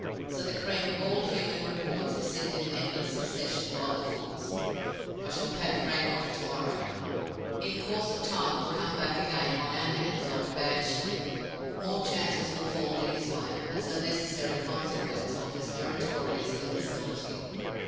So the cream of all human rewards is sipped in endless succession by the Fools. I shall pack Frank off to morrow. In course of time he'll come back again on our hands, like a bad shilling; more chances will fall in his way, as a necessary consequence of his meritorious imbecility.